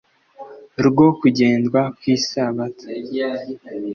Rwo kugendwa ku isabato